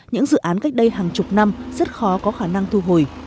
những dự án cách đây hàng chục năm rất khó có khả năng thu hồi